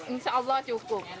insya allah cukup